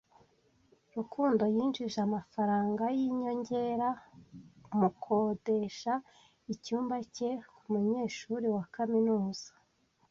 Rukundo yinjije amafaranga yinyongera mukodesha icyumba cye kumunyeshuri wa kaminuza.